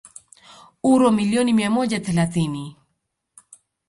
uro milioni mia moja thelathini